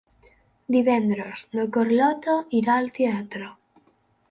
Divendres na Carlota irà al teatre.